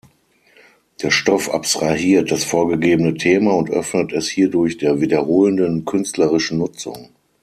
Der Stoff abstrahiert das vorgegebene Thema und öffnet es hierdurch der wiederholenden künstlerischen Nutzung.